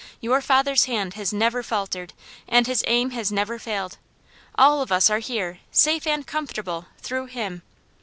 Your father's hand has never faltered, and his aim has never failed. All of us are here, safe and comfortable, through him.